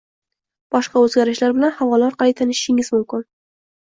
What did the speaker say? Boshqa o'zgarishlar bilan havola orqali tanishishingiz mumkin